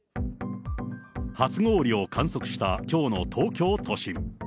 初氷を観測したきょうの東京都心。